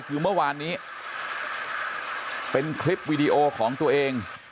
คือเมื่อวานนี้เป็นคลิปวีดีโอของตัวเอง